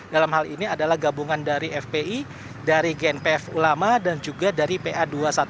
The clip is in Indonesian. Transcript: dalam hal ini adalah gabungan dari fpi dari gnpf ulama dan juga dari pa dua ratus dua belas